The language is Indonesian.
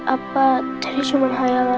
apa tadi cuma hayalan aku aja